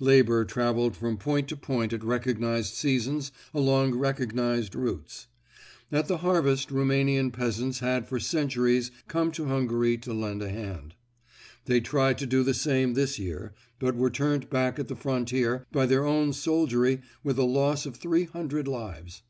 Labour travelled from point to point at recognised seasons along recognised routes. At the harvest Roumanian peasants had for centuries come to Hungary to lend a hand. They tried to do the same this year, but were turned back at the frontier by their own soldiery with a loss of three hundred lives.